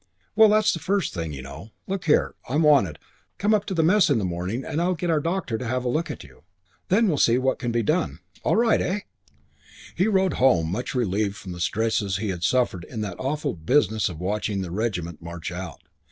"Well, that's the first thing, you know. Look here, I'm wanted. Come up to the Mess in the morning and I'll get our doctor to have a look at you. Then we'll see what can be done. All right, eh?" V He rode home much relieved from the stresses he had suffered in that awful business of watching the regiment march out.